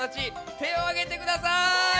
てをあげてください！